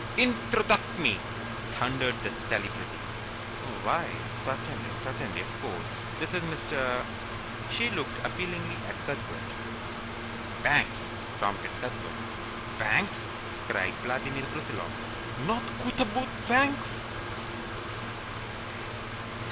"Introduct me!" thundered the Celebrity. "Why, certainly, certainly, of course. This is Mr. ." She looked appealingly at Cuthbert. "Banks," prompted Cuthbert. "Banks!" cried Vladimir Brusiloff. "Not Cootaboot Banks?"